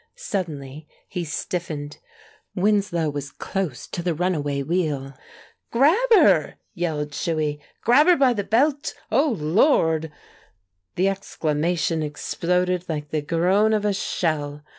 Suddenly he stiffened; Winslow was close to the runaway wheel. "Grab her!" yelled Shuey. "Grab her by the belt! Oh, Lord!" The exclamation exploded like the groan of a shell.